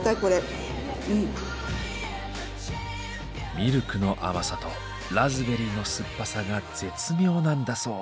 ミルクの甘さとラズベリーの酸っぱさが絶妙なんだそう。